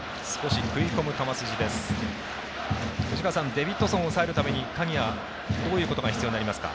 デビッドソンを抑えるために鍵谷、どういうことが必要になりますか？